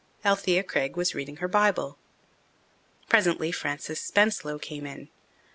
Alethea Craig was reading her Bible. Presently Frances Spenslow came in.